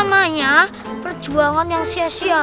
namanya perjuangan yang sia sia